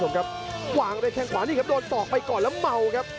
หว่างในแค่งขวานี่ครับโดนสอกไปก่อนแล้วเมาครับ